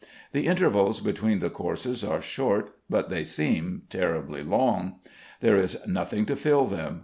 The intervals between the courses are short, but they seem terribly long. There is nothing to fill them.